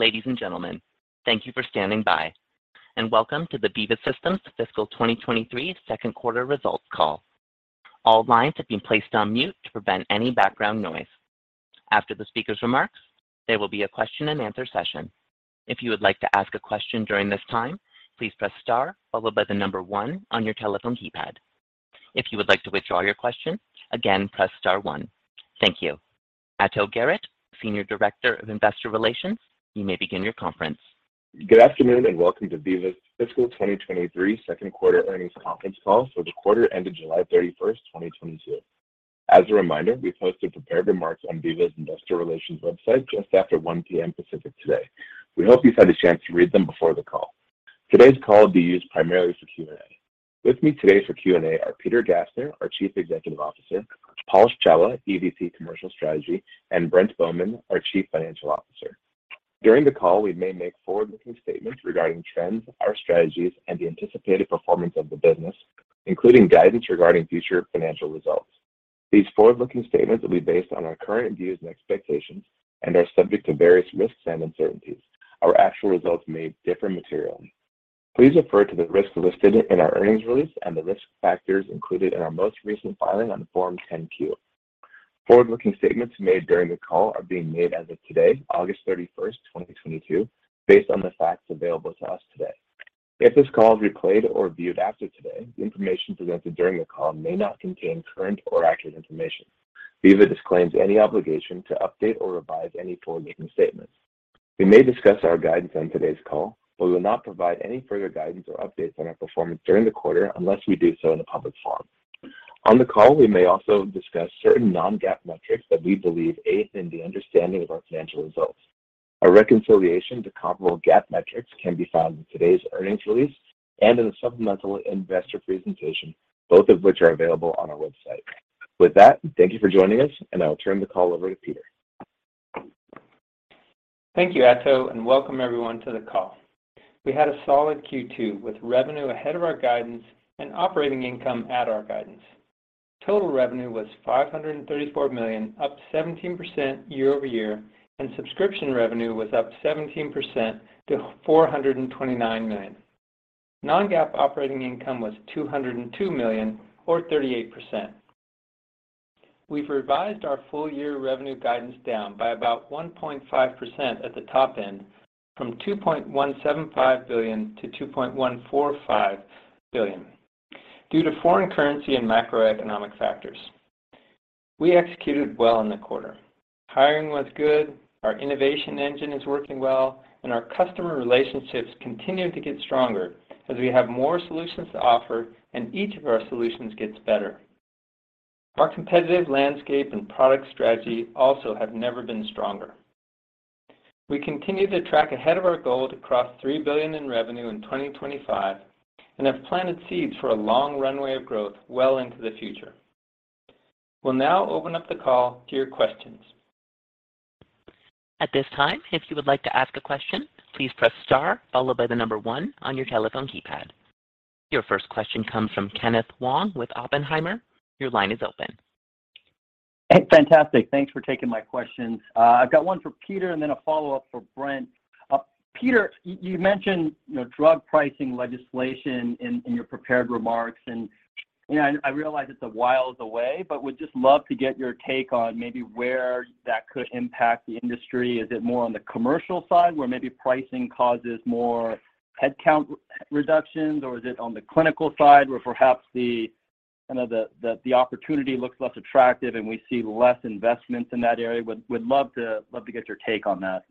Ladies and gentlemen, thank you for standing by, and welcome to the Veeva Systems Fiscal 2023 Second Quarter Results Call. All lines have been placed on mute to prevent any background noise. After the speaker's remarks, there will be a question-and-answer session. If you would like to ask a question during this time, please press star followed by the number one on your telephone keypad. If you would like to withdraw your question, again, press star one. Thank you. Ato Garrett, Senior Director of Investor Relations, you may begin your conference. Good afternoon, and welcome to Veeva's Fiscal 2023 Second Quarter Earnings Conference Call for the quarter ended July 31st, 2022. As a reminder, we posted prepared remarks on Veeva's Investor Relations website just after 1 P.M. Pacific today. We hope you've had a chance to read them before the call. Today's call will be used primarily for Q&A. With me today for Q&A are Peter Gassner, our Chief Executive Officer, Paul Shawah, EVP Commercial Strategy, and Brent Bowman, our Chief Financial Officer. During the call, we may make forward-looking statements regarding trends, our strategies, and the anticipated performance of the business, including guidance regarding future financial results. These forward-looking statements will be based on our current views and expectations and are subject to various risks and uncertainties. Our actual results may differ materially. Please refer to the risks listed in our earnings release and the risk factors included in our most recent filing on Form 10-Q. Forward-looking statements made during the call are being made as of today, August 31st,2022, based on the facts available to us today. If this call is replayed or viewed after today, the information presented during the call may not contain current or accurate information. Veeva disclaims any obligation to update or revise any forward-looking statements. We may discuss our guidance on today's call, but we will not provide any further guidance or updates on our performance during the quarter unless we do so in a public forum. On the call, we may also discuss certain non-GAAP metrics that we believe aid in the understanding of our financial results. A reconciliation to comparable GAAP metrics can be found in today's earnings release and in the supplemental investor presentation, both of which are available on our website. With that, thank you for joining us, and I will turn the call over to Peter. Thank you, Ato, and welcome everyone to the call. We had a solid Q2 with revenue ahead of our guidance and operating income at our guidance. Total revenue was $534 million, up 17% year-over-year, and subscription revenue was up 17% to $429 million. Non-GAAP operating income was $202 million or 38%. We've revised our full-year revenue guidance down by about 1.5% at the top end from $2.175 billion to $2.145 billion due to foreign currency and macroeconomic factors. We executed well in the quarter. Hiring was good, our innovation engine is working well, and our customer relationships continue to get stronger as we have more solutions to offer, and each of our solutions gets better. Our competitive landscape and product strategy also have never been stronger. We continue to track ahead of our goal to cross $3 billion in revenue in 2025 and have planted seeds for a long runway of growth well into the future. We'll now open up the call to your questions. At this time, if you would like to ask a question, please press star followed by the number one on your telephone keypad. Your first question comes from Kenneth Wong with Oppenheimer. Your line is open. Hey, fantastic. Thanks for taking my question. I've got one for Peter and then a follow-up for Brent. Peter, you mentioned, you know, drug pricing legislation in your prepared remarks, and, you know, I realize it's a while away, but would just love to get your take on maybe where that could impact the industry. Is it more on the commercial side, where maybe pricing causes more headcount reductions, or is it on the clinical side, where perhaps the kind of opportunity looks less attractive, and we see less investments in that area? Would love to get your take on that.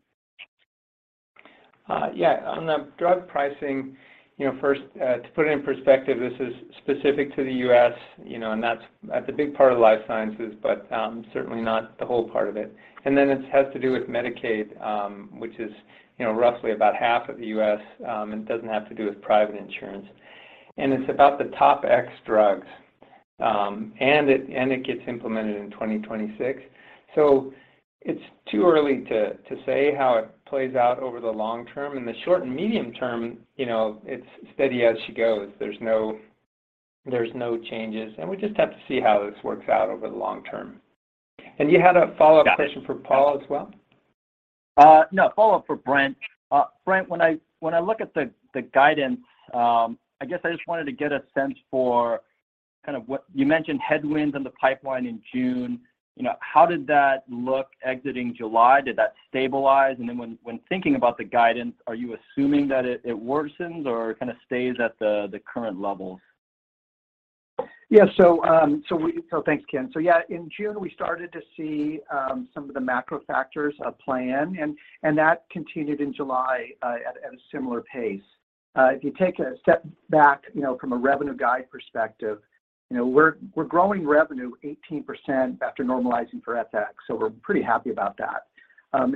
Yeah. On the drug pricing, you know, first, to put it in perspective, this is specific to the U.S., you know, and that's a big part of life sciences, but certainly not the whole part of it. It has to do with Medicaid, which is, you know, roughly about half of the U.S., and doesn't have to do with private insurance. It's about the top X drugs, and it gets implemented in 2026. It's too early to say how it plays out over the long term. In the short and medium term, you know, it's steady as she goes. There's no changes, and we just have to see how this works out over the long term. You had a follow-up question for Paul as well? No, follow-up for Brent. Brent, when I look at the guidance, I guess I just wanted to get a sense for kind of what, you mentioned headwinds in the pipeline in June. You know, how did that look exiting July? Did that stabilize? And then when thinking about the guidance, are you assuming that it worsens or kind of stays at the current levels? Yeah. Thanks, Ken. Yeah, in June, we started to see some of the macro factors play in, and that continued in July at a similar pace. If you take a step back, you know, from a revenue guide perspective, you know, we're growing revenue 18% after normalizing for FX, so we're pretty happy about that.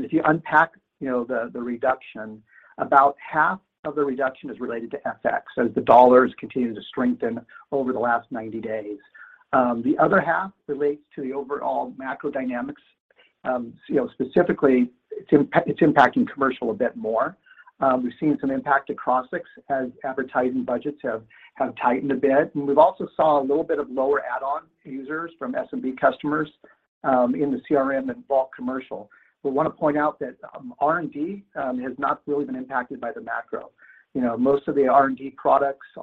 If you unpack, you know, the reduction, about half of the reduction is related to FX as the dollar's continued to strengthen over the last 90 days. The other half relates to the overall macro dynamics. You know, specifically it's impacting commercial a bit more. We've seen some impact across SaaS as advertising budgets have tightened a bit. We've also saw a little bit of lower add-on users from SMB customers. In the CRM and broader commercial. We want to point out that R&D has not really been impacted by the macro. You know, most of the R&D products you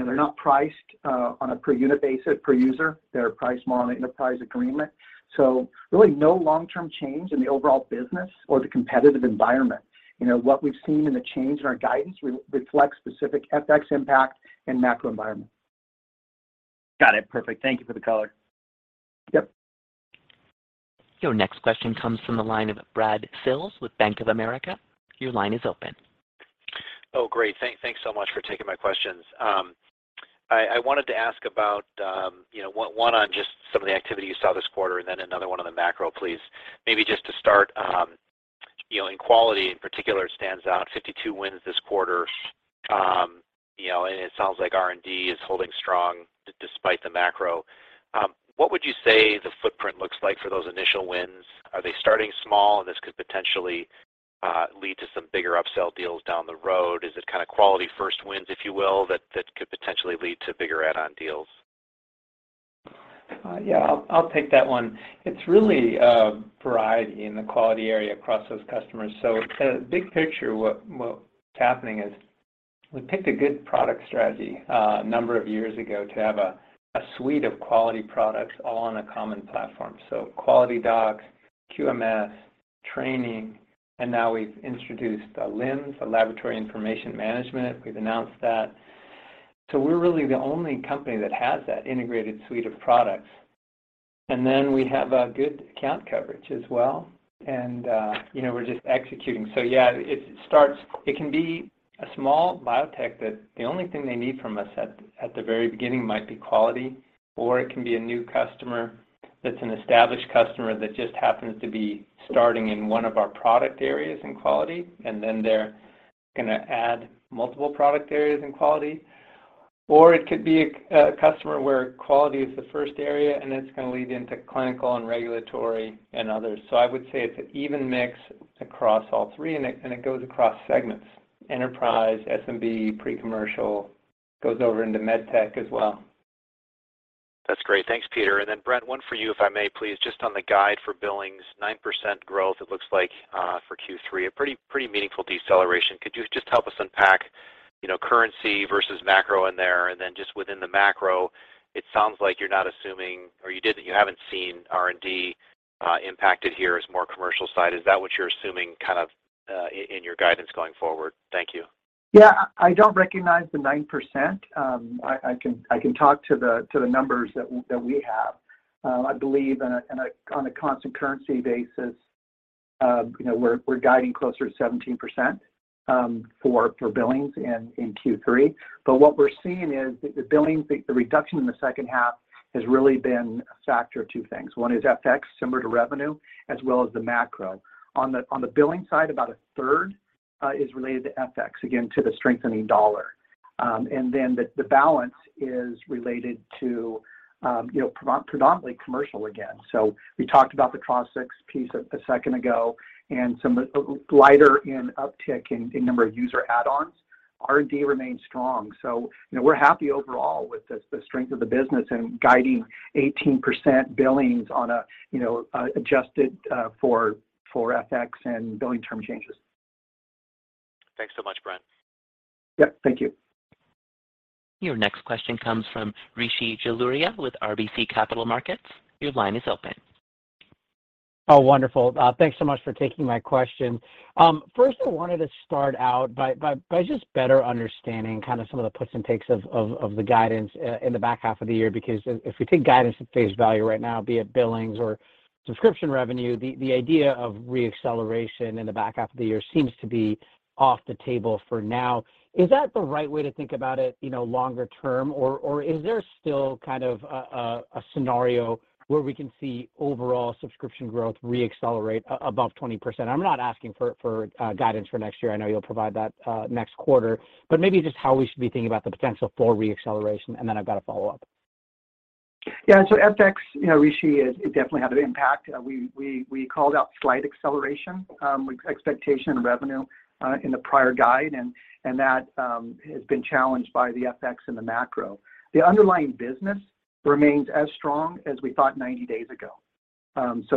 know, they're not priced on a per-unit basis, per user. They're priced more on an enterprise agreement. Really no long-term change in the overall business or the competitive environment. You know, what we've seen in the change in our guidance reflects specific FX impact and macro environment. Got it. Perfect. Thank you for the color. Yep. Your next question comes from the line of Brad Sills with Bank of America. Your line is open. Oh, great. Thanks so much for taking my questions. I wanted to ask about, you know, one on just some of the activity you saw this quarter, and then another one on the macro, please. Maybe just to start, you know, in quality in particular, it stands out, 52 wins this quarter. You know, and it sounds like R&D is holding strong despite the macro. What would you say the footprint looks like for those initial wins? Are they starting small, and this could potentially lead to some bigger upsell deals down the road? Is it kind of quality-first wins, if you will, that could potentially lead to bigger add-on deals? Yeah, I'll take that one. It's really a variety in the quality area across those customers. Kinda big picture, what's happening is we picked a good product strategy a number of years ago to have a suite of quality products all on a common platform. QualityDocs, QMS, training, and now we've introduced a LIMS, a laboratory information management system. We've announced that. We're really the only company that has that integrated suite of products. We have a good account coverage as well. You know, we're just executing. It can be a small biotech that the only thing they need from us at the very beginning might be quality, or it can be a new customer that's an established customer that just happens to be starting in one of our product areas in quality, and then they're gonna add multiple product areas in quality. Or it could be a customer where quality is the first area, and it's gonna lead into clinical and regulatory and others. I would say it's an even mix across all three, and it goes across segments. Enterprise, SMB, pre-commercial, goes over into med tech as well. That's great. Thanks, Peter. Then Brent, one for you, if I may, please, just on the guide for billings. 9% growth, it looks like, for Q3, a pretty meaningful deceleration. Could you just help us unpack, you know, currency versus macro in there? Then just within the macro, it sounds like you're not assuming or you haven't seen R&D impacted here as more commercial side. Is that what you're assuming kind of in your guidance going forward? Thank you. Yeah. I don't recognize the 9%. I can talk to the numbers that we have. I believe on a constant currency basis, you know, we're guiding closer to 17% for billings in Q3. What we're seeing is the reduction in the second half has really been a factor of two things. One is FX, similar to revenue, as well as the macro. On the billing side, about a third is related to FX, again, to the strengthening dollar. And then the balance is related to, you know, predominantly commercial again. We talked about the Crossix piece a second ago and some lighter uptake in number of user add-ons. R&D remains strong. You know, we're happy overall with the strength of the business and guiding 18% billings on a, you know, adjusted for FX and billing term changes. Thanks so much, Brent. Yep. Thank you. Your next question comes from Rishi Jaluria with RBC Capital Markets. Your line is open. Oh, wonderful. Thanks so much for taking my question. First, I wanted to start out by just better understanding kind of some of the puts and takes of the guidance in the back half of the year, because if we take guidance at face value right now, be it billings or subscription revenue, the idea of re-acceleration in the back half of the year seems to be off the table for now. Is that the right way to think about it, you know, longer term, or is there still kind of a scenario where we can see overall subscription growth re-accelerate above 20%? I'm not asking for guidance for next year. I know you'll provide that next quarter, but maybe just how we should be thinking about the potential for re-acceleration, and then I've got a follow-up. Yeah. FX, you know, Rishi, it definitely had an impact. We called out slight acceleration with expectation in revenue in the prior guide, and that has been challenged by the FX and the macro. The underlying business remains as strong as we thought 90 days ago.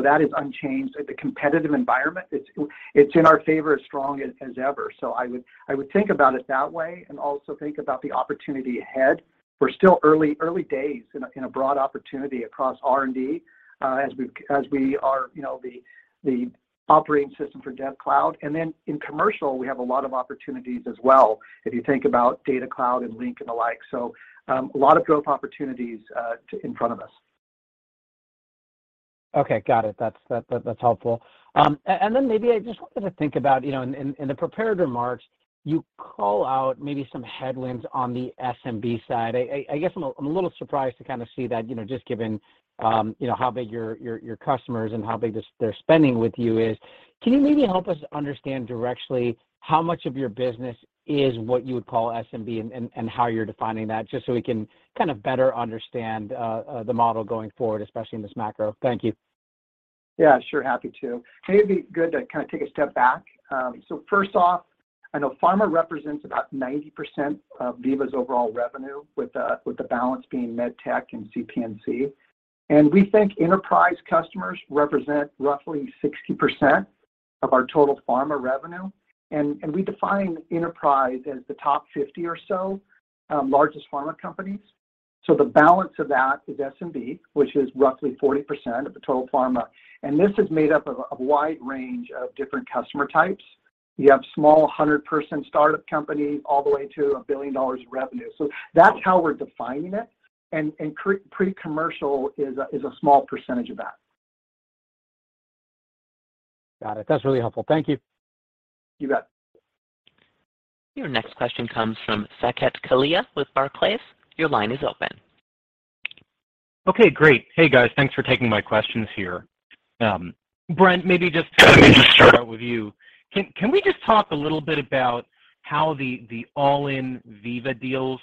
That is unchanged. The competitive environment, it's in our favor as strong as ever. I would think about it that way and also think about the opportunity ahead. We're still early days in a broad opportunity across R&D, as we are, you know, the operating system for DevCloud. In commercial, we have a lot of opportunities as well, if you think about DataCloud and Link and the like. A lot of growth opportunities in front of us. Okay. Got it. That's helpful. And then maybe I just wanted to think about, you know, in the prepared remarks, you call out maybe some headwinds on the SMB side. I guess I'm a little surprised to kind of see that, you know, just given, you know, how big your customers and how big this they're spending with you is. Can you maybe help us understand directly how much of your business is what you would call SMB and how you're defining that, just so we can kind of better understand the model going forward, especially in this macro? Thank you. Yeah, sure, happy to. May be good to kind of take a step back. First off, I know pharma represents about 90% of Veeva's overall revenue with the balance being MedTech and CPMG. We think enterprise customers represent roughly 60% of our total pharma revenue, and we define enterprise as the top 50 or so largest pharma companies. The balance of that is SMB, which is roughly 40% of the total pharma, and this is made up of a wide range of different customer types. You have small 100-person startup companies all the way to $1 billion in revenue. That's how we're defining it and pre-commercial is a small percentage of that. Got it. That's really helpful. Thank you. You bet. Your next question comes from Saket Kalia with Barclays. Your line is open. Okay, great. Hey, guys. Thanks for taking my questions here. Brent, maybe just let me just start out with you. Can we just talk a little bit about how the all-in Veeva deals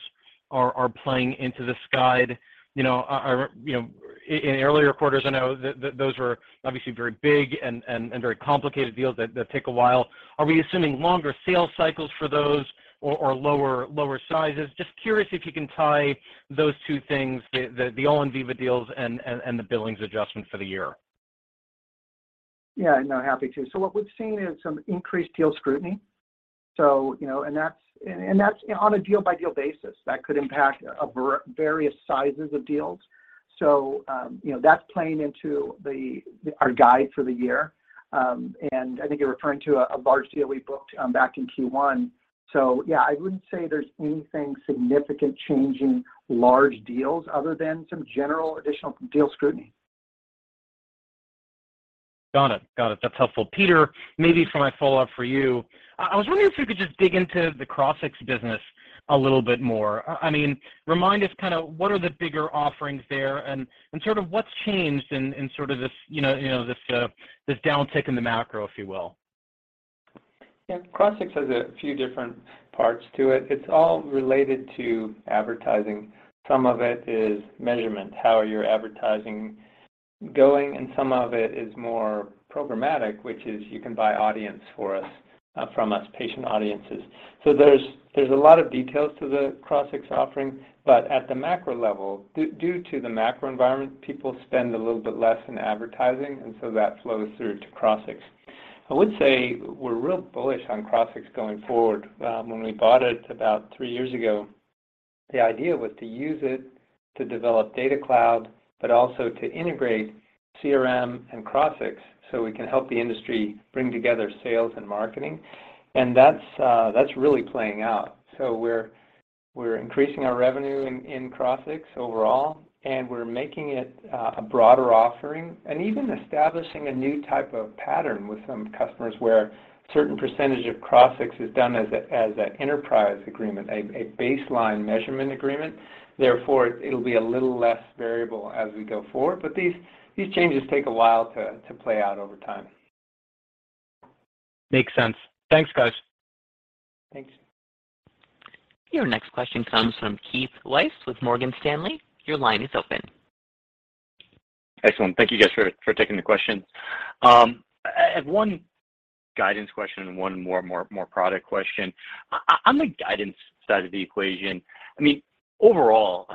are playing into this guide? You know, or, you know, in earlier quarters, I know those were obviously very big and very complicated deals that take a while. Are we assuming longer sales cycles for those or lower sizes? Just curious if you can tie those two things, the all-in Veeva deals and the billings adjustment for the year. Yeah, no, happy to. What we've seen is some increased deal scrutiny. You know, that's on a deal-by-deal basis. That could impact various sizes of deals. You know, that's playing into our guide for the year. I think you're referring to a large deal we booked back in Q1. Yeah, I wouldn't say there's anything significant changing large deals other than some general additional deal scrutiny. Got it. That's helpful. Peter, maybe for my follow-up for you, I was wondering if you could just dig into the Crossix business a little bit more. I mean, remind us kinda what are the bigger offerings there and sort of what's changed in sort of this you know this downtick in the macro, if you will. Yeah. Crossix has a few different parts to it. It's all related to advertising. Some of it is measurement, how are your advertising going, and some of it is more programmatic, which is you can buy audience for us, from us, patient audiences. So there's a lot of details to the Crossix offering. But at the macro level, due to the macro environment, people spend a little bit less in advertising, and so that flows through to Crossix. I would say we're real bullish on Crossix going forward. When we bought it about three years ago, the idea was to use it to develop Data Cloud, but also to integrate CRM and Crossix, so we can help the industry bring together sales and marketing. That's really playing out. We're increasing our revenue in Crossix overall, and we're making it a broader offering and even establishing a new type of pattern with some customers where certain percentage of Crossix is done as a enterprise agreement, a baseline measurement agreement. Therefore, it'll be a little less variable as we go forward. These changes take a while to play out over time. Makes sense. Thanks, guys. Thanks. Your next question comes from Keith Weiss with Morgan Stanley. Your line is open. Excellent. Thank you guys for taking the question. I have one guidance question and one more product question. On the guidance side of the equation, I mean, overall,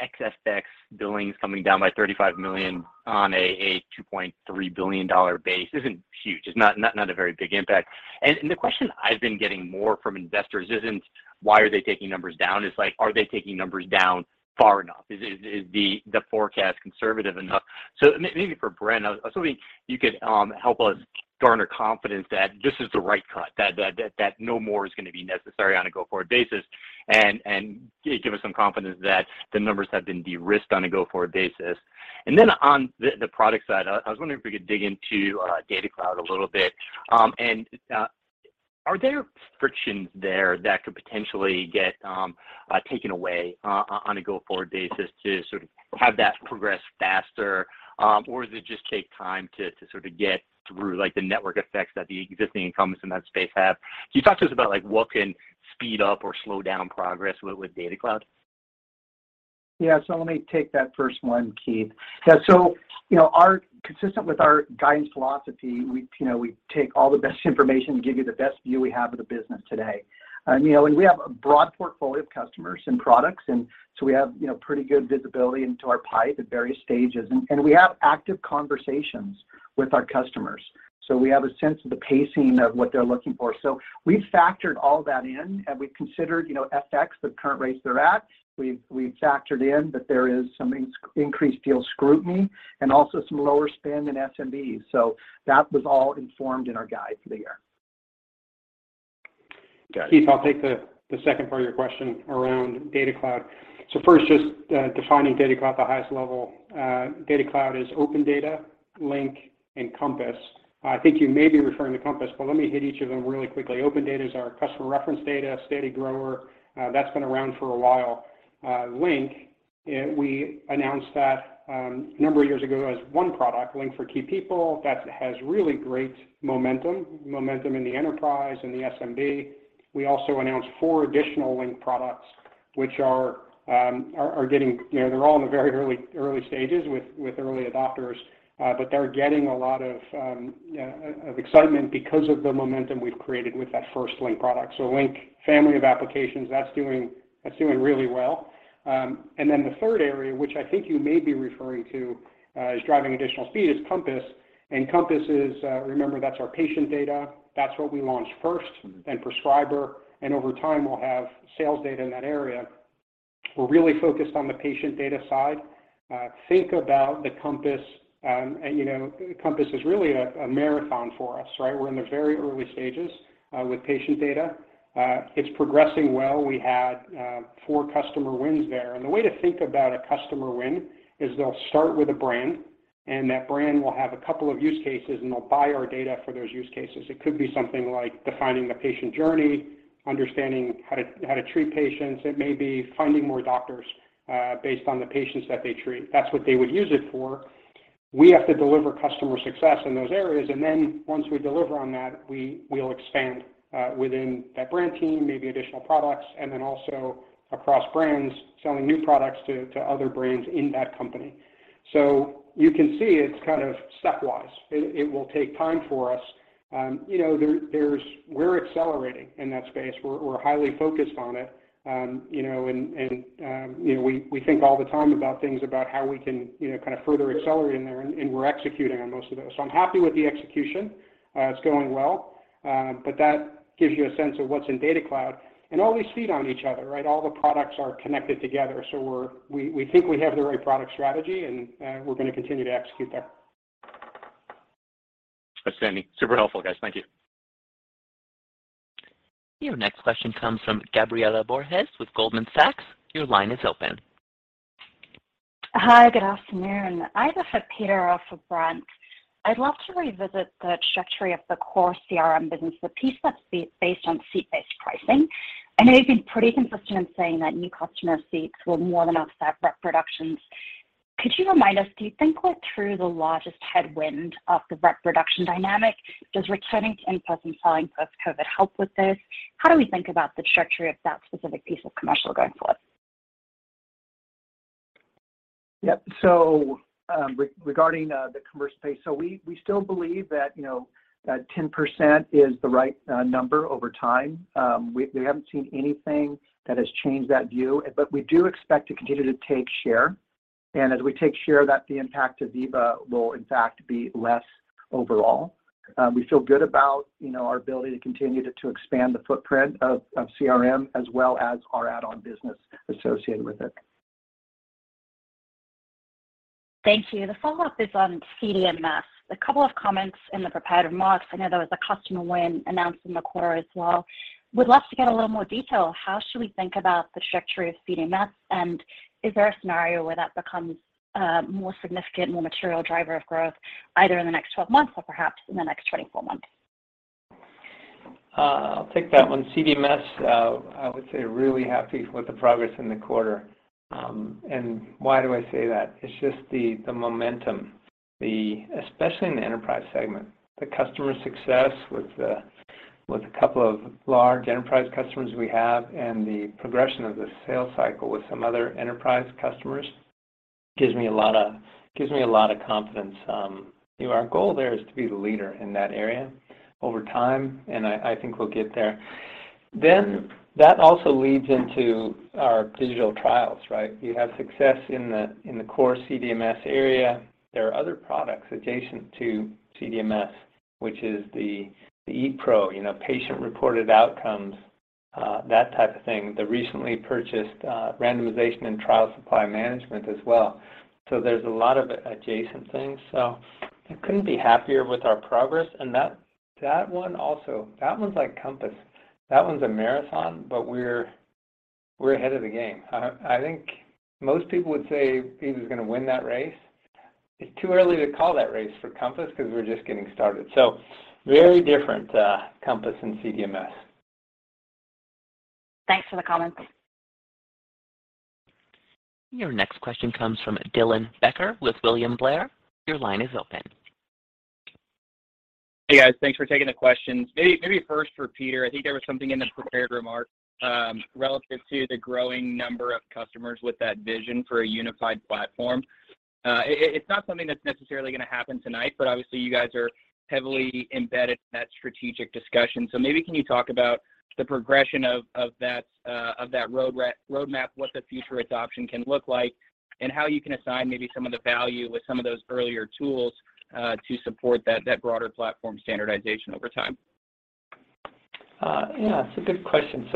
excess specs billings coming down by $35 million on a $2.3 billion base isn't huge. It's not a very big impact. The question I've been getting more from investors isn't why are they taking numbers down, it's like, are they taking numbers down far enough? Is the forecast conservative enough? Maybe for Brent, I was hoping you could help us garner confidence that this is the right cut, that no more is gonna be necessary on a go-forward basis and give us some confidence that the numbers have been de-risked on a go-forward basis. On the product side, I was wondering if we could dig into Data Cloud a little bit. Are there frictions there that could potentially get taken away on a go-forward basis to sort of have that progress faster, or does it just take time to sort of get through like the network effects that the existing incumbents in that space have? Can you talk to us about like, what can speed up or slow down progress with Data Cloud? Yeah. Let me take that first one, Keith. Yeah. You know, our consistent with our guidance philosophy, we, you know, we take all the best information to give you the best view we have of the business today. You know, and we have a broad portfolio of customers and products, and so we have, you know, pretty good visibility into our pipe at various stages. We have active conversations with our customers, so we have a sense of the pacing of what they're looking for. We've factored all that in, and we've considered, you know, FX, the current rates they're at. We've factored in that there is some increased deal scrutiny and also some lower spend in SMBs. That was all informed in our guide for the year. Got it. Keith, I'll take the second part of your question around Data Cloud. First, just defining Data Cloud at the highest level. Data Cloud is OpenData, Link, and Compass. I think you may be referring to Compass, but let me hit each of them really quickly. OpenData is our customer reference data, steady grower. That's been around for a while. Link, we announced that a number of years ago as one product, Link for key people, that has really great momentum in the enterprise and the SMB. We also announced four additional Link products which are getting, you know, they're all in the very early stages with early adopters, but they're getting a lot of excitement because of the momentum we've created with that first Link product. Link family of applications, that's doing really well. Then the third area, which I think you may be referring to, as driving additional speed is Compass. Compass is, remember that's our patient data, that's what we launched first. Mm-hmm. Prescriber, and over time, we'll have sales data in that area. We're really focused on the patient data side. Think about the Compass, and Compass is really a marathon for us, right? We're in the very early stages with patient data. It's progressing well. We had four customer wins there. The way to think about a customer win is they'll start with a brand, and that brand will have a couple of use cases, and they'll buy our data for those use cases. It could be something like defining the patient journey, understanding how to treat patients. It may be finding more doctors based on the patients that they treat. That's what they would use it for. We have to deliver customer success in those areas, and then once we deliver on that, we'll expand within that brand team, maybe additional products, and then also across brands selling new products to other brands in that company. You can see it's kind of stepwise. It will take time for us. You know, we're accelerating in that space. We're highly focused on it. You know, we think all the time about things about how we can, you know, kind of further accelerate in there and we're executing on most of those. I'm happy with the execution, it's going well. That gives you a sense of what's in Data Cloud and all these feed on each other, right? All the products are connected together. We think we have the right product strategy and we're gonna continue to execute that. Thanks, again. Super helpful, guys. Thank you. Your next question comes from Gabriela Borges with Goldman Sachs. Your line is open. Hi, good afternoon. Either for Peter or for Brent, I'd love to revisit the trajectory of the core CRM business, the piece that's based on seat-based pricing. I know you've been pretty consistent in saying that new customer seats will more than offset rep reductions. Could you remind us, do you think we're through the largest headwind of the rep reduction dynamic? Does returning to in-person selling post-COVID help with this? How do we think about the trajectory of that specific piece of commercial going forward? Regarding the commercial space. We still believe that, you know, that 10% is the right number over time. We haven't seen anything that has changed that view, but we do expect to continue to take share. As we take share, the impact to Veeva will in fact be less overall. We feel good about, you know, our ability to continue to expand the footprint of CRM as well as our add-on business associated with it. Thank you. The follow-up is on CDMS. A couple of comments in the prepared remarks. I know there was a customer win announced in the quarter as well. Would love to get a little more detail. How should we think about the trajectory of CDMS, and is there a scenario where that becomes a more significant, more material driver of growth either in the next 12 months or perhaps in the next 24 months? I'll take that one. CDMS, I would say really happy with the progress in the quarter. Why do I say that? It's just the momentum, especially in the enterprise segment. The customer success with a couple of large enterprise customers we have and the progression of the sales cycle with some other enterprise customers gives me a lot of confidence. You know, our goal there is to be the leader in that area over time, and I think we'll get there. That also leads into our digital trials, right? You have success in the core CDMS area. There are other products adjacent to CDMS, which is the ePro, you know, patient-reported outcomes, that type of thing. The recently purchased randomization and trial supply management as well. There's a lot of adjacent things. I couldn't be happier with our progress. That one also, that one's like Compass. That one's a marathon, but we're ahead of the game. I think most people would say Veeva's gonna win that race. It's too early to call that race for Compass because we're just getting started. Very different, Compass and CDMS. Thanks for the comments. Your next question comes from Dylan Becker with William Blair. Your line is open. Hey, guys. Thanks for taking the questions. Maybe first for Peter, I think there was something in the prepared remarks relative to the growing number of customers with that vision for a unified platform. It's not something that's necessarily gonna happen tonight, but obviously you guys are heavily embedded in that strategic discussion. Maybe can you talk about the progression of that roadmap, what the future adoption can look like, and how you can assign maybe some of the value with some of those earlier tools to support that broader platform standardization over time? Yeah, it's a good question.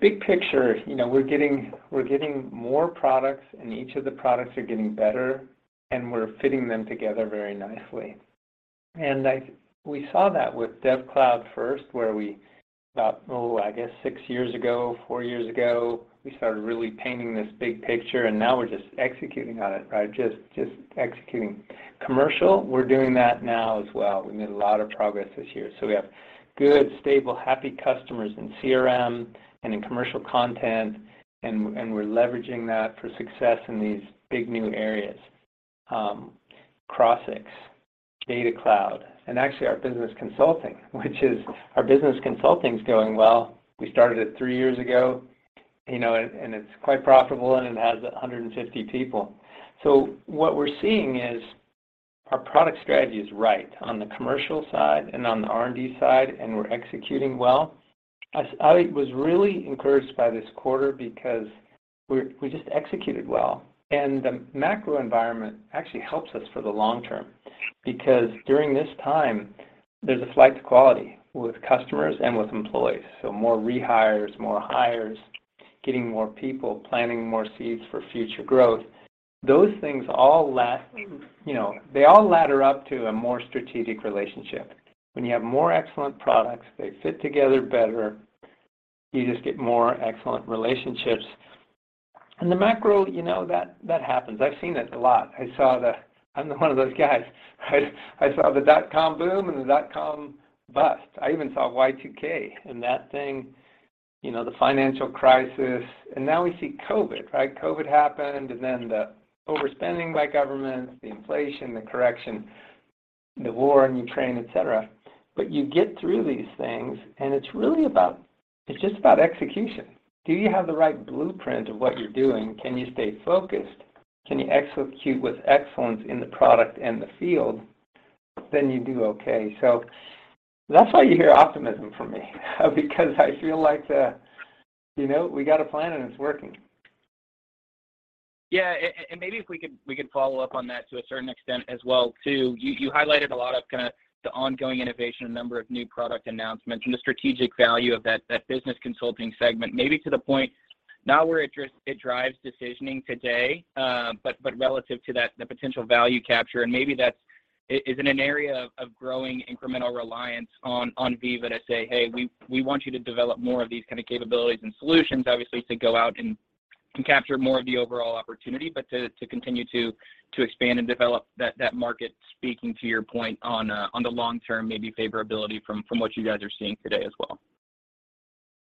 Big picture, you know, we're getting more products and each of the products are getting better, and we're fitting them together very nicely. We saw that with DevCloud first, where we, I guess six years ago, four years ago, we started really painting this big picture, and now we're just executing on it, right? Just executing. Commercial, we're doing that now as well. We made a lot of progress this year. We have good, stable, happy customers in CRM and in commercial content, and we're leveraging that for success in these big new areas. Crossix, Data Cloud and actually our business consulting, which is our business consulting's going well. We started it three years ago, you know, and it's quite profitable, and it has 150 people. What we're seeing is our product strategy is right on the commercial side and on the R&D side, and we're executing well. I was really encouraged by this quarter because we just executed well, and the macro environment actually helps us for the long term. Because during this time, there's a flight to quality with customers and with employees, so more rehires, more hires, getting more people, planting more seeds for future growth. Those things all last, you know, they all ladder up to a more strategic relationship. When you have more excellent products, they fit together better, you just get more excellent relationships. The macro, you know, that happens. I've seen it a lot. I'm one of those guys, right? I saw the dot-com boom and the dot-com bust. I even saw Y2K, and that thing, you know, the financial crisis, and now we see COVID, right? COVID happened, and then the overspending by governments, the inflation, the correction, the war in Ukraine, et cetera. But you get through these things, and it's really about, it's just about execution. Do you have the right blueprint of what you're doing? Can you stay focused? Can you execute with excellence in the product and the field? Then you do okay. So that's why you hear optimism from me because I feel like, you know, we got a plan and it's working. Yeah. Maybe if we could follow up on that to a certain extent as well too. You highlighted a lot of kind of the ongoing innovation, a number of new product announcements, and the strategic value of that business consulting segment, maybe to the point not where it drives decisioning today, but relative to that, the potential value capture, and maybe that's in an area of growing incremental reliance on Veeva to say, "Hey, we want you to develop more of these kind of capabilities and solutions," obviously, to go out and capture more of the overall opportunity, but to continue to expand and develop that market, speaking to your point on the long-term, maybe favorability from what you guys are seeing today as well.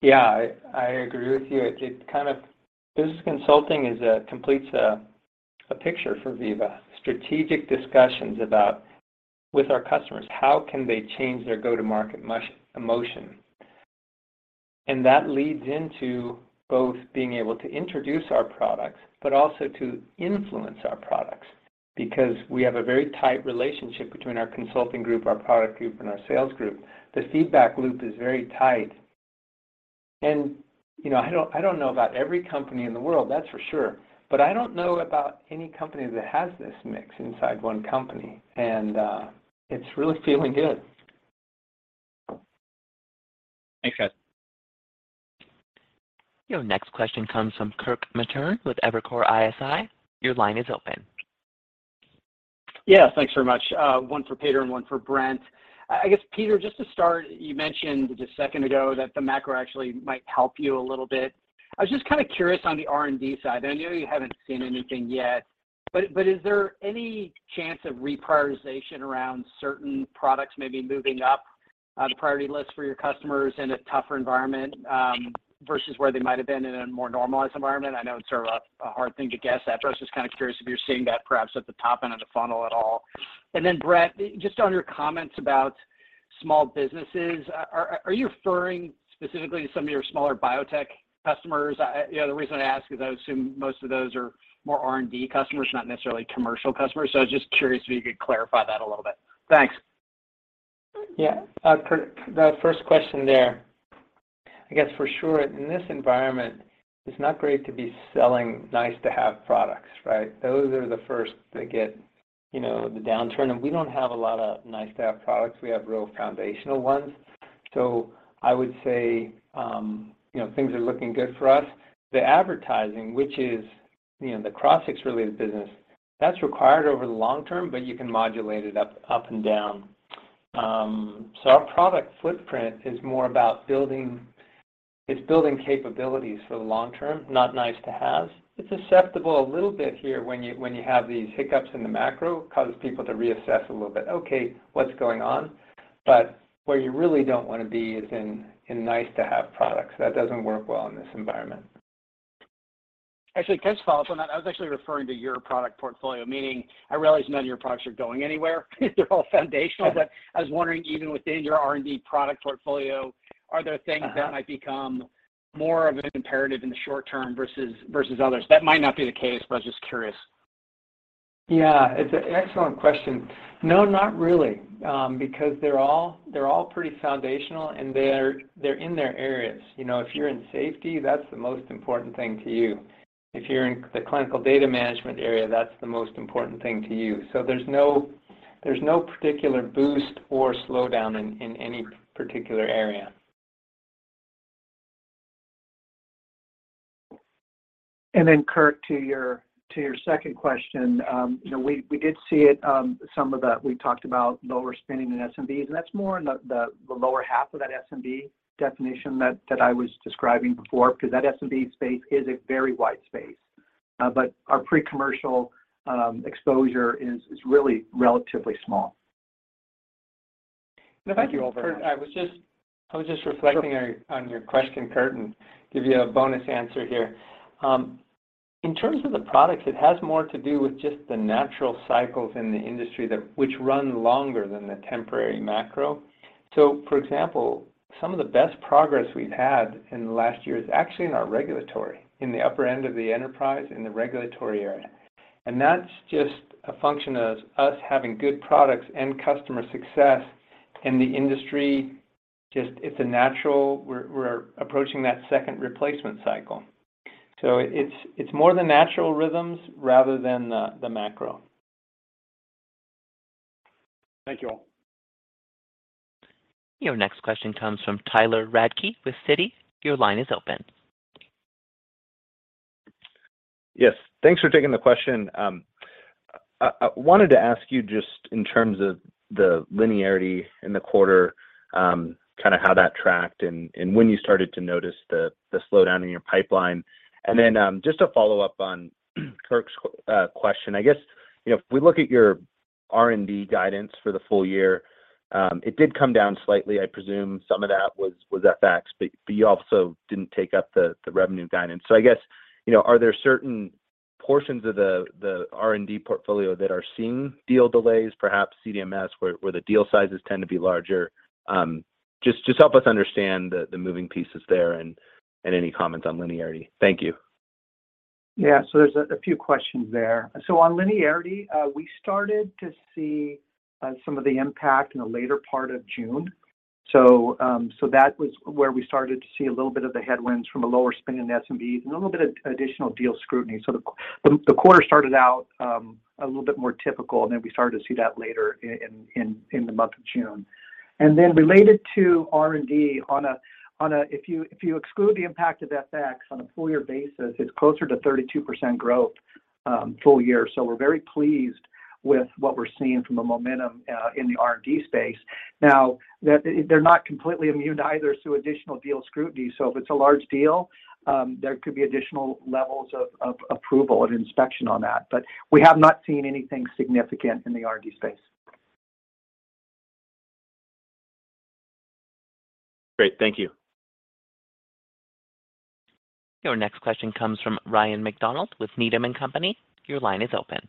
Yeah. I agree with you. Business consulting completes a picture for Veeva. Strategic discussions with our customers about how they can change their go-to-market motion? That leads into both being able to introduce our products but also to influence our products because we have a very tight relationship between our consulting group, our product group, and our sales group. The feedback loop is very tight. You know, I don't know about every company in the world, that's for sure, but I don't know about any company that has this mix inside one company. It's really feeling good. Thanks, guys. Your next question comes from Kirk Materne with Evercore ISI. Your line is open. Yeah. Thanks very much. One for Peter and one for Brent. I guess, Peter, just to start, you mentioned just a second ago that the macro actually might help you a little bit. I was just kind of curious on the R&D side. I know you haven't seen anything yet, but is there any chance of reprioritization around certain products maybe moving up on the priority list for your customers in a tougher environment, versus where they might've been in a more normalized environment? I know it's sort of a hard thing to guess at, but I was just kind of curious if you're seeing that perhaps at the top end of the funnel at all. Then, Brent, just on your comments about small businesses, are you referring specifically to some of your smaller biotech customers? You know, the reason I ask is I assume most of those are more R&D customers, not necessarily commercial customers, so I was just curious if you could clarify that a little bit. Thanks. Yeah. Kirk, the first question there, I guess, for sure in this environment, it's not great to be selling nice-to-have products, right? Those are the first to get, you know, the downturn, and we don't have a lot of nice-to-have products. We have real foundational ones. I would say, you know, things are looking good for us. The advertising, which is, you know, the Crossix-related business, that's required over the long term, but you can modulate it up and down. Our product footprint is more about building capabilities for the long term, not nice-to-haves. It's susceptible a little bit here when you have these hiccups in the macro, causes people to reassess a little bit. "Okay, what's going on?" Where you really don't wanna be is in nice-to-have products. That doesn't work well in this environment. Actually, can I just follow up on that? I was actually referring to your product portfolio, meaning I realize none of your products are going anywhere. They're all foundational. Yeah. I was wondering, even within your R&D product portfolio, are there things? Uh-huh That might become more of an imperative in the short term versus others? That might not be the case, but I was just curious. Yeah. It's an excellent question. No, not really, because they're all pretty foundational, and they're in their areas. You know, if you're in safety, that's the most important thing to you. If you're in the clinical data management area, that's the most important thing to you. There's no particular boost or slowdown in any particular area. Kirk, to your second question, you know, we did see it, some of that we talked about lower spending in SMBs, and that's more in the lower half of that SMB definition that I was describing before because that SMB space is a very wide space. But our pre-commercial exposure is really relatively small. If I could, Kirk, I was just reflecting on your question, Kirk, and give you a bonus answer here. In terms of the products, it has more to do with just the natural cycles in the industry that which run longer than the temporary macro. For example, some of the best progress we've had in the last year is actually in our regulatory, in the upper end of the enterprise in the regulatory area. That's just a function of us having good products and customer success in the industry. We're approaching that second replacement cycle. It's more the natural rhythms rather than the macro. Thank you all. Your next question comes from Tyler Radke with Citi. Your line is open. Yes. Thanks for taking the question. I wanted to ask you just in terms of the linearity in the quarter, kind of how that tracked and when you started to notice the slowdown in your pipeline. Just to follow up on Kirk's question, I guess, you know, if we look at your R&D guidance for the full year, it did come down slightly. I presume some of that was FX, but you also didn't take up the revenue guidance. I guess, you know, are there certain portions of the R&D portfolio that are seeing deal delays, perhaps CDMS, where the deal sizes tend to be larger? Just help us understand the moving pieces there and any comments on linearity. Thank you. Yeah. There's a few questions there. On linearity, we started to see some of the impact in the later part of June. That was where we started to see a little bit of the headwinds from a lower spend in SMB and a little bit of additional deal scrutiny. The quarter started out a little bit more typical, and then we started to see that later in the month of June. Related to R&D, if you exclude the impact of FX on a full-year basis, it's closer to 32% growth, full year. We're very pleased with what we're seeing from the momentum in the R&D space. Now that they're not completely immune, either to additional deal scrutiny. If it's a large deal, there could be additional levels of approval and inspection on that. We have not seen anything significant in the R&D space. Great. Thank you. Your next question comes from Ryan MacDonald with Needham & Company. Your line is open.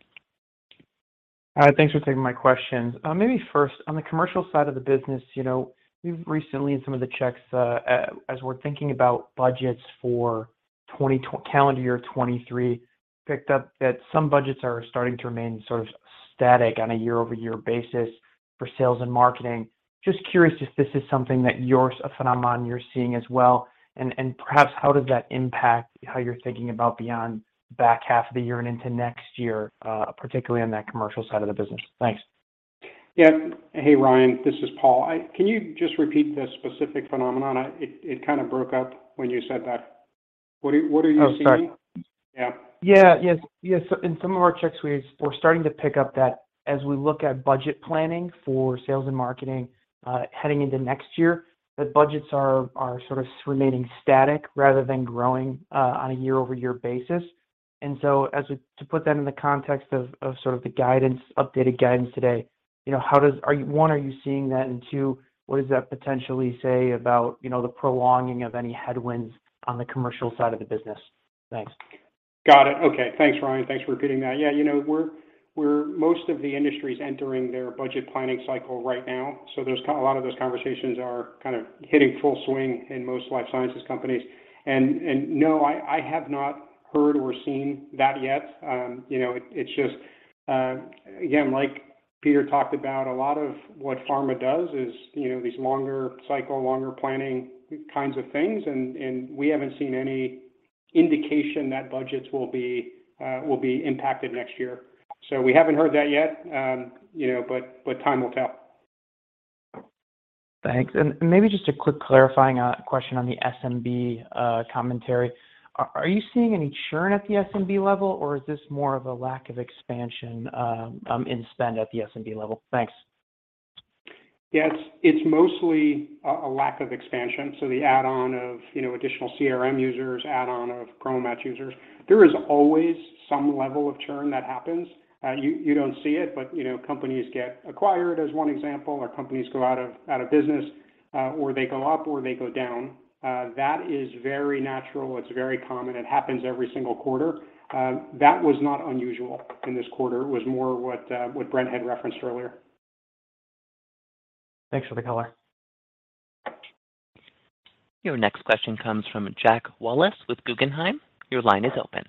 Thanks for taking my questions. Maybe first, on the commercial side of the business, you know, we've recently, in some of the checks, as we're thinking about budgets for calendar year 2023, picked up that some budgets are starting to remain sort of static on a year-over-year basis for sales and marketing. Just curious if this is a phenomenon you're seeing as well, and perhaps how does that impact how you're thinking about the back half of the year and into next year, particularly on that commercial side of the business? Thanks. Yeah. Hey, Ryan, this is Paul. Can you just repeat the specific phenomenon? It kind of broke up when you said that. What are you not seeing? Oh, sorry. Yeah. Yeah. Yes. Yes. In some of our checks, we're starting to pick up that as we look at budget planning for sales and marketing, heading into next year, that budgets are sort of remaining static rather than growing on a year-over-year basis. To put that in the context of sort of the guidance, updated guidance today, you know, one, are you seeing that? And two, what does that potentially say about the prolonging of any headwinds on the commercial side of the business? Thanks. Got it. Okay. Thanks, Ryan. Thanks for repeating that. Yeah, you know, most of the industry is entering their budget planning cycle right now, so there's a lot of those conversations are kind of hitting full swing in most life sciences companies. No, I have not heard or seen that yet. You know, it's just, again, like Peter talked about, a lot of what pharma does is, you know, these longer cycle, longer planning kinds of things, and we haven't seen any indication that budgets will be impacted next year. We haven't heard that yet, you know, but time will tell. Thanks. Maybe just a quick clarifying question on the SMB commentary. Are you seeing any churn at the SMB level, or is this more of a lack of expansion in spend at the SMB level? Thanks. Yeah, it's mostly a lack of expansion, so the add-on of, you know, additional CRM users, add-on of PromoMats users. There is always some level of churn that happens. You don't see it, but, you know, companies get acquired as one example, or companies go out of business, or they go up, or they go down. That is very natural. It's very common. It happens every single quarter. That was not unusual in this quarter. It was more what Brent had referenced earlier. Thanks for the color. Your next question comes from Jack Wallace with Guggenheim. Your line is open.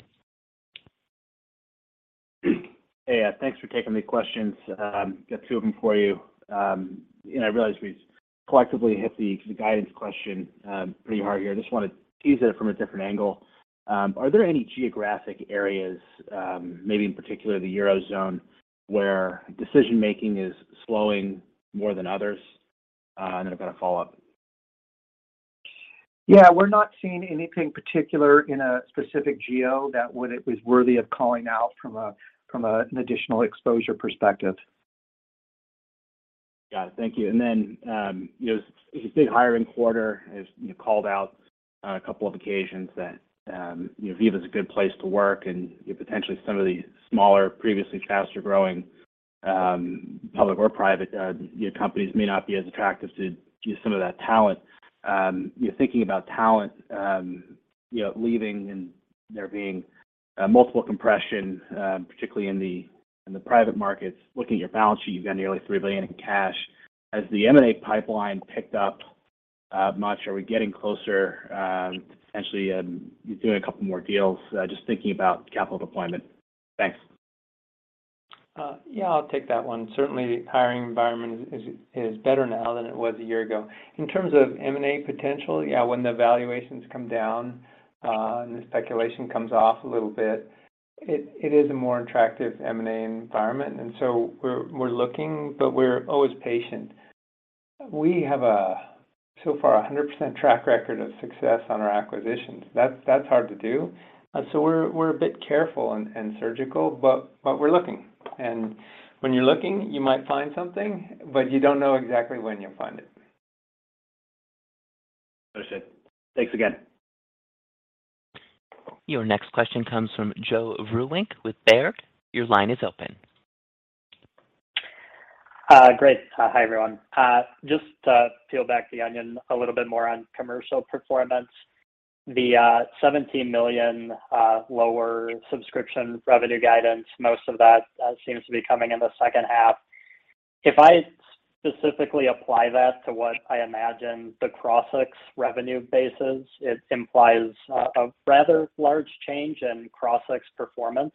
Hey. Thanks for taking the questions. Got two of them for you. You know, I realize we've collectively hit the guidance question pretty hard here. I just want to tease it from a different angle. Are there any geographic areas, maybe in particular the Eurozone, where decision-making is slowing more than others? I've got a follow-up. Yeah, we're not seeing anything particular in a specific geo that is worthy of calling out from an additional exposure perspective. Got it. Thank you. You know, it's a big hiring quarter as, you know, called out. On a couple of occasions that, you know, Veeva's a good place to work, and potentially some of the smaller previously faster-growing, public or private, you know, companies may not be as attractive to get some of that talent. You're thinking about talent, you know, leaving and there being, multiple compression, particularly in the private markets. Looking at your balance sheet, you've got nearly $3 billion in cash. Has the M&A pipeline picked up, much? Are we getting closer, to potentially, you doing a couple more deals? Just thinking about capital deployment. Thanks. Yeah, I'll take that one. Certainly, the hiring environment is better now than it was a year ago. In terms of M&A potential, yeah, when the valuations come down and the speculation comes off a little bit, it is a more attractive M&A environment. We're looking, but we're always patient. We have a, so far, 100% track record of success on our acquisitions. That's hard to do. We're a bit careful and surgical, but we're looking. When you're looking, you might find something, but you don't know exactly when you'll find it. Understood. Thanks again. Your next question comes from Joe Vruwink with Baird. Your line is open. Great. Hi, everyone. Just to peel back the onion a little bit more on commercial performance, the $17 million lower subscription revenue guidance, most of that seems to be coming in the second half. If I specifically apply that to what I imagine the Crossix revenue basis, it implies a rather large change in Crossix performance.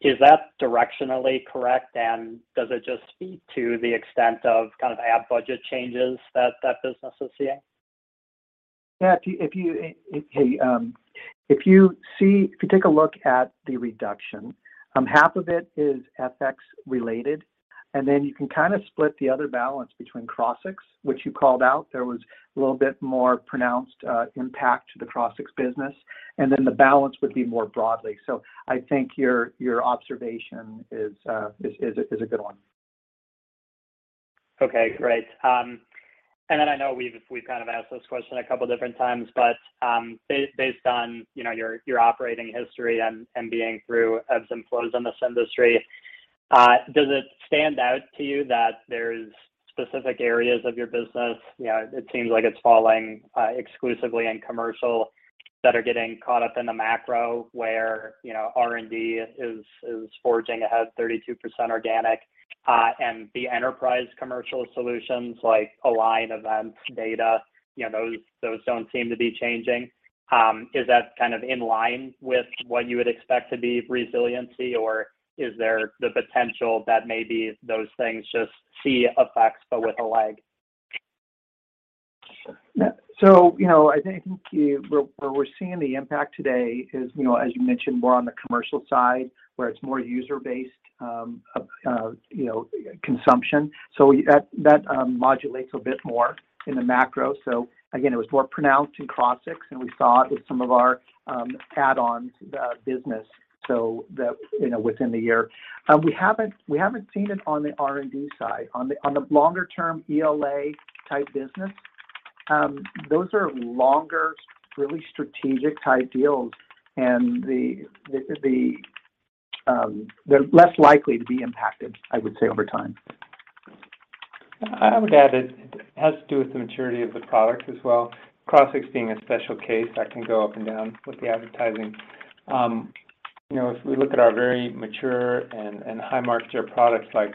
Is that directionally correct, and does it just speak to the extent of kind of ad budget changes that that business is seeing? If you take a look at the reduction, half of it is FX related, and then you can kinda split the other balance between Crossix, which you called out. There was a little bit more pronounced impact to the Crossix business, and then the balance would be more broadly. I think your observation is a good one. Okay, great. I know we've kind of asked this question a couple different times, but based on, you know, your operating history and being through ebbs and flows in this industry, does it stand out to you that there's specific areas of your business, you know, it seems like it's falling exclusively in commercial that are getting caught up in the macro where, you know, R&D is forging ahead 32% organic, and the enterprise commercial solutions like Align, Events, Data, you know, those don't seem to be changing? Is that kind of in line with what you would expect to be resiliency, or is there the potential that maybe those things just see effects but with a lag? Yeah. You know, I think where we're seeing the impact today is, you know, as you mentioned, more on the commercial side, where it's more user-based, you know, consumption. That modulates a bit more in the macro. Again, it was more pronounced in Crossix, and we saw it with some of our add-ons business, so the, you know, within the year. We haven't seen it on the R&D side. On the longer-term ELA-type business, those are longer, really strategic type deals and the, they're less likely to be impacted, I would say over time. I would add it has to do with the maturity of the products as well, Crossix being a special case that can go up and down with the advertising. You know, if we look at our very mature and high market share products like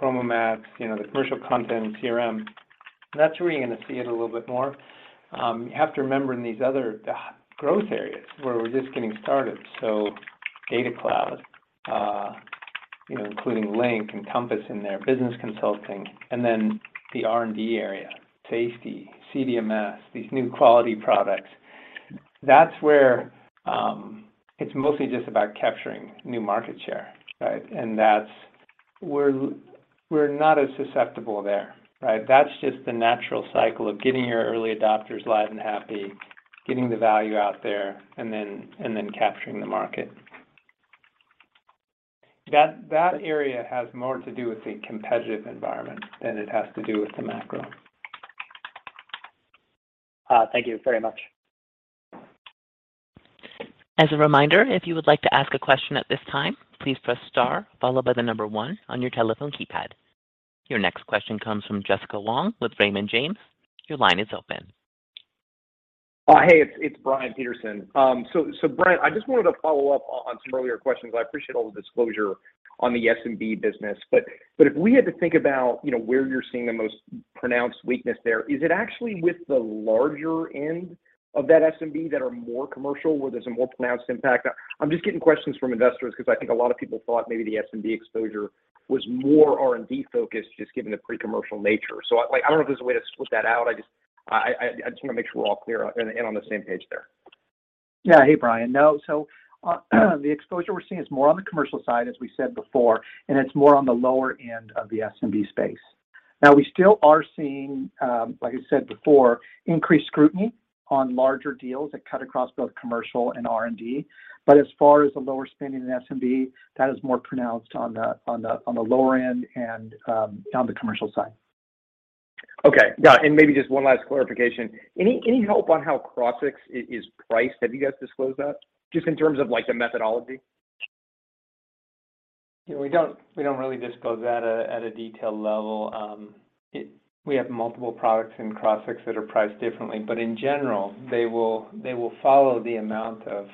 PromoMats, you know, the commercial content and CRM, that's where you're gonna see it a little bit more. You have to remember in these other, the growth areas where we're just getting started, so Data Cloud, you know, including Link and Compass in there, business consulting, and then the R&D area, eTMF, CDMS, these new quality products, that's where it's mostly just about capturing new market share, right? That's where we're not as susceptible there, right? That's just the natural cycle of getting your early adopters live and happy, getting the value out there, and then capturing the market. That area has more to do with the competitive environment than it has to do with the macro. Thank you very much. As a reminder, if you would like to ask a question at this time, please press star followed by the number one on your telephone keypad. Your next question comes from Jessica Wong with Raymond James. Your line is open. Hey, it's Brian Peterson. Brent, I just wanted to follow up on some earlier questions. I appreciate all the disclosure on the SMB business. If we had to think about, you know, where you're seeing the most pronounced weakness there, is it actually with the larger end of that SMB that are more commercial where there's a more pronounced impact? I'm just getting questions from investors because I think a lot of people thought maybe the SMB exposure was more R&D focused just given the pre-commercial nature. Like, I don't know if there's a way to split that out. I just wanna make sure we're all clear and on the same page there. Hey, Brian. No. The exposure we're seeing is more on the commercial side, as we said before, and it's more on the lower end of the SMB space. Now, we still are seeing, like I said before, increased scrutiny on larger deals that cut across both commercial and R&D. As far as the lower spending in SMB, that is more pronounced on the lower end and on the commercial side. Okay. Yeah. Maybe just one last clarification. Any help on how Crossix is priced? Have you guys disclosed that just in terms of, like, the methodology? Yeah. We don't really disclose that at a detailed level. We have multiple products in Crossix that are priced differently. In general, they will follow the amount of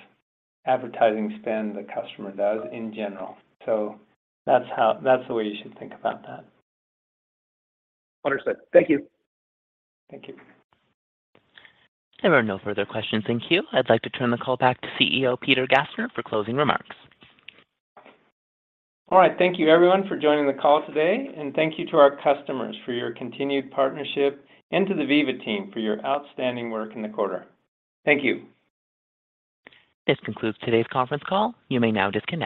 advertising spend the customer does in general. That's the way you should think about that. Understood. Thank you. Thank you. There are no further questions in queue. I'd like to turn the call back to CEO Peter Gassner for closing remarks. All right. Thank you everyone for joining the call today, and thank you to our customers for your continued partnership and to the Veeva team for your outstanding work in the quarter. Thank you. This concludes today's conference call. You may now disconnect.